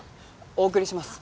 お送りします。